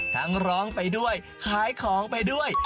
ร้องไปด้วยขายของไปด้วย